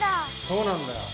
そうなんだよ。